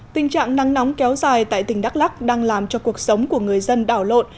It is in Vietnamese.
tình trạng nắng nóng kéo dài tại tỉnh đắk lắc đang làm cho cuộc sống của người dân đảo lộn